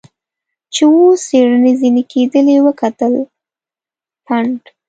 چې اوس څېړنې ځنې کېدلې وکتل، پنډ.